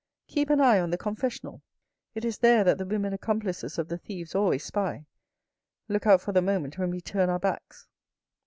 Keep an eye on the confessional. It is there that the women accomplices of the thieves always spy. Look out for the moment when we turn our backs."